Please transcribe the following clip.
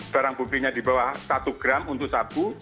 barang buktinya di bawah satu gram untuk sabu